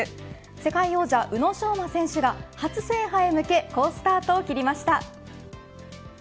世界王者、宇野昌磨選手が初制覇へ向け好スタートを切りました。